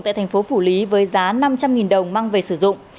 tại thành phố phủ lý với giá năm trăm linh đồng mang về sử dụng